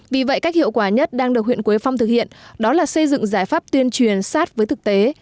vì vậy cách hiệu quả nhất đang được huyện quế phong thực hiện đó là xây dựng giải pháp tuyên truyền sát với thực tế